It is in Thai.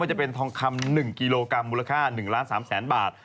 จะเป็นทองคำ๑กิโลกรัมมูลค่า๑ล้าน๓แสนบาท